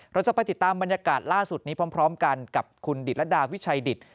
เราจะไปติดตามบรรยากาศล่าสุดนี้พร้อมกันกับคุณดิตรดาวิชัยดิต